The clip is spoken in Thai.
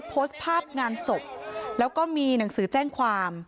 โพสต์ภาพงานศพแล้วก็มีหนังสือแจ้งความ